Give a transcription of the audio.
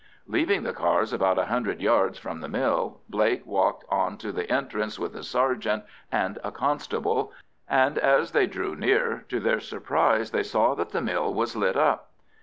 Leaving the cars about a hundred yards from the mill, Blake walked on to the entrance with a sergeant and a constable, and as they drew near, to their surprise they saw that the mill was lit up.